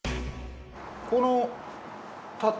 この。